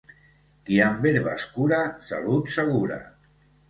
Qui amb herba es cura, salut segura.